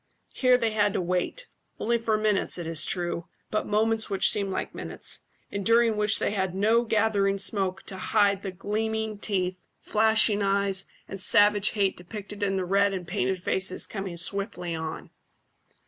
Here they had to wait only for moments, it is true, but moments which seemed like minutes, and during which they had no gathering smoke to hide the gleaming teeth, flashing eyes, and savage hate depicted in the red and painted faces coming swiftly on.